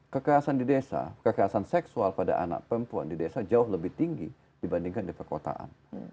kekerasan di desa kekerasan seksual pada anak perempuan di desa jauh lebih tinggi dibandingkan di perkotaan